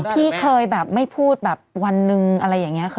พี่เคยไม่พูดวันหนึ่งอะไรอย่างนี้เคยไหม